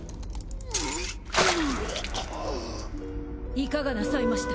いかがなさいました？